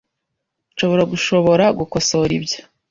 Nshobora gushobora gukosora ibyo .